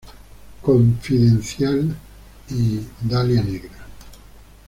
Confidential" y "La Dalia Negra".